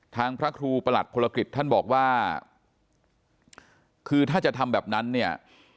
พระครูประหลัดพลกฤษท่านบอกว่าคือถ้าจะทำแบบนั้นเนี่ย